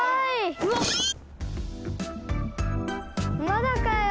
まだかよ。